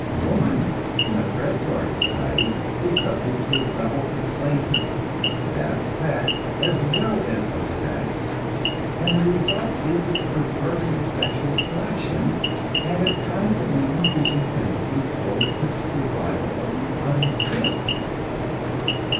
Woman, in a predatory society, is subject to a double enslavement, that of class as well as of sex, and the result is the perverting of sexual selection, and a constantly increasing tendency towards the survival of the unfit.